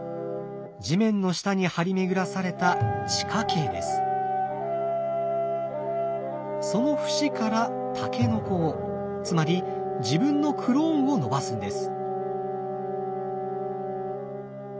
地面の下に張り巡らされたその節からタケノコをつまり自分のクローンを伸ばすんです。